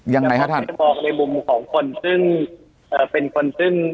ยังไงฮะท่านจะมองในมุมของคนซึ่งเอ่อเป็นคนซึ่ง